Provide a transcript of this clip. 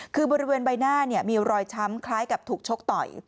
คือบริเวณใบหน้ามีรอยช้ำคล้ายกับถูกชกต่อย